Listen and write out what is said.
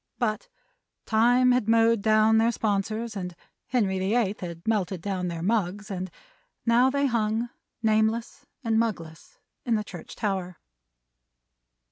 But Time had mowed down their sponsors, and Henry the Eighth had melted down their mugs; and they now hung, nameless and mugless, in the church tower.